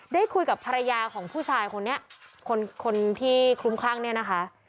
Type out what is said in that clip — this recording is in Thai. ได้คุยกับภรรยาของผู้ชายคนนี้คนที่คลุ้มคลั่งเนี่ยนะคะ